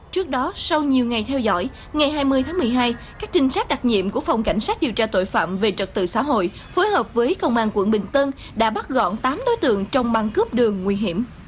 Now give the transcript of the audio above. trước đó sau nhiều ngày theo dõi ngày hai mươi tháng một mươi hai các trinh sát đặc nhiệm của phòng cảnh sát điều tra tội phạm về trật tự xã hội phối hợp với công an quận bình tân đã bắt gọn tám đối tượng trong băng cướp đường nguy hiểm